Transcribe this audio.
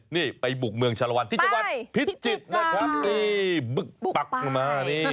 นี่ไปบุกเมืองชาลวันที่จังหวัดพิจิตรนะครับนี่บึกปักมานี่